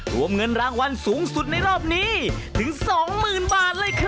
รวมเงินรางวัลสูงสุดในรอบนี้ถึง๒๐๐๐บาทเลยค่ะ